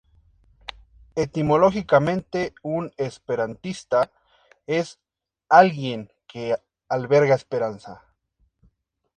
Etimológicamente un esperantista es "alguien que alberga esperanza".